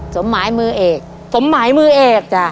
ครอบครัวของแม่ปุ้ยจังหวัดสะแก้วนะครับ